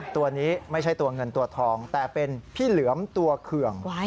ตัวนี้ไม่ใช่ตัวเงินตัวทองแต่เป็นพี่เหลือมตัวเคือง